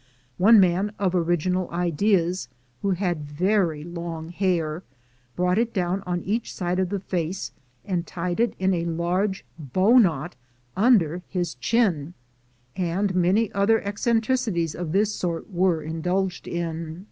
One man, of original ideas, who had very long hair, brought it down on each side of the face, and tied it in a large bow knot under his chin ; and many other eccentricities of this sort were indulged in.